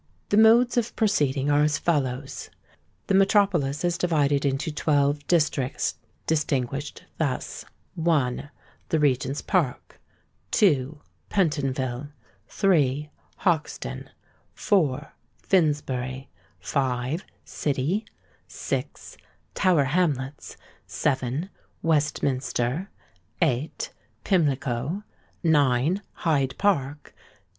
The modes of proceeding are as follow:—The metropolis is divided into twelve districts distinguished thus:—1. The Regent's Park; 2. Pentonville; 3. Hoxton; 4. Finsbury; 5. City; 6. Tower Hamlets; 7. Westminster; 8. Pimlico; 9. Hyde Park; 10.